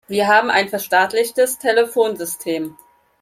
Wir haben ein verstaatlichtes Telefonsystem.